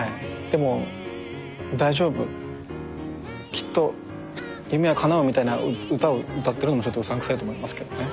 でも大丈夫きっと夢はかなうみたいな歌を歌ってるのもちょっとうさんくさいと思いますけどね。